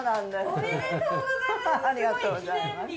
おめでとうございます。